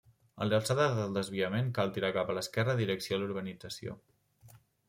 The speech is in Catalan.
A l'alçada del desviament cal tirar cap a l'esquerra direcció a la urbanització.